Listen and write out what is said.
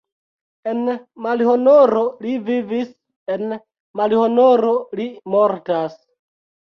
En malhonoro li vivis, en malhonoro li mortas!